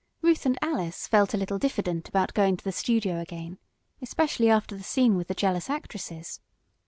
Ruth and Alice felt a little diffident about going to the studio again, especially after the scene with the jealous actresses.